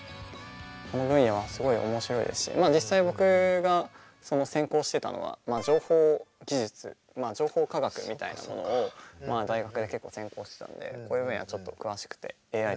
この分野はすごい面白いですし実際僕が専攻してたのは情報技術情報科学みたいなものを大学で結構専攻してたのでこういう分野ちょっと詳しくてＡＩとかも詳しいんですけど。